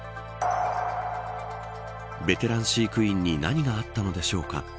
ベテラン飼育員に何があったのでしょうか。